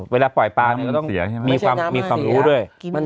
เวลาปล่อยปลานี่ก็ต้องความมีความรู้ด้วย